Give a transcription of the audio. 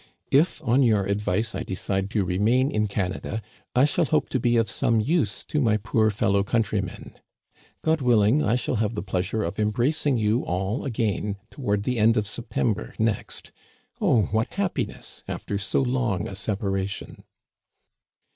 If on your advice I decide to remain in Canada, I shall hope to be of some use to my poor fellow countrjrmen. God willing, I shall have the pleas ure of embracing you all again toward the end of Sep Digitized by VjOOQIC LOCHIEL AND BLANCHE, 235 tember next. Oh, what happiness, after so long a sepa ration